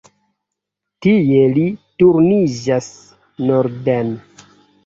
Tie li turniĝas norden.